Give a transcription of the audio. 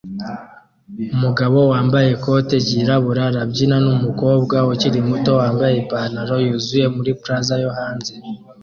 Umugabo wambaye ikoti ryirabura arabyina numukobwa ukiri muto wambaye ipantaro yuzuye muri plaza yo hanze